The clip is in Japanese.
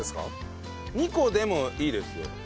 ２個でもいいですよ。